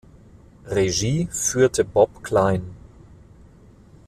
Regie führte Bob Kline.